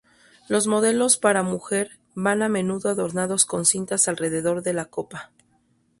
Los modelos para mujer van a menudo adornados con cintas alrededor de la copa.